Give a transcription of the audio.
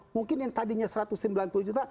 mungkin yang tadinya satu ratus sembilan puluh juta